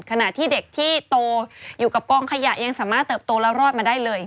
ขณะที่เด็กที่โตอยู่กับกองขยะยังสามารถเติบโตแล้วรอดมาได้เลย